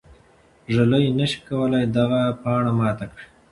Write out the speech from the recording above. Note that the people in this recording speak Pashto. ږلۍ نه شي کولای چې دغه پاڼه ماته کړي.